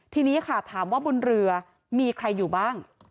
ทีนี้ค่ะถามว่าบนเรือมีใครอยู่บ้าง